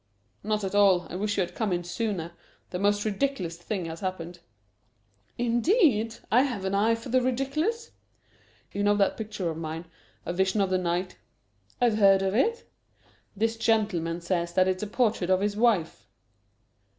"Not at all! I wish you had come in sooner. The most ridiculous thing has happened." "Indeed! I have an eye for the ridiculous." "You know that picture of mine, 'A Vision of the Night'?" "I've heard of it." "This gentleman says that it's a portrait of his wife."